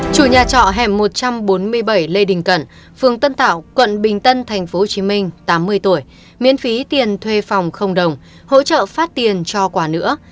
chủ nhà trọ hẻm một trăm bốn mươi bảy lê đình cận phường tân tạo quận bình tân tp hcm tám mươi tuổi miễn phí tiền thuê phòng không đồng hỗ trợ phát tiền cho quả nữa